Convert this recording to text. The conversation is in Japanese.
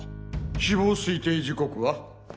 死亡推定時刻は？